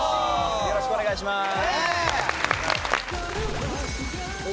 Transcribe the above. よろしくお願いします